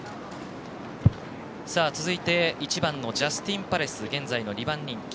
続いて１番ジャスティンパレス現在の２番人気。